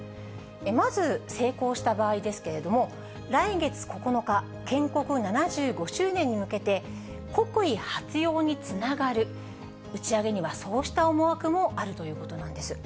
まず成功した場合ですけれども、来月９日、建国７５周年に向けて、国威発揚につながる、打ち上げにはそうした思惑もあるということなんです。